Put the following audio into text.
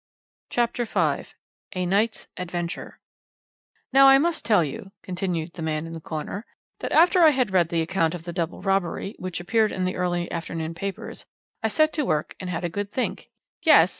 '" CHAPTER V A NIGHT'S ADVENTURE "Now I must tell you," continued the man in the corner, "that after I had read the account of the double robbery, which appeared in the early afternoon papers, I set to work and had a good think yes!"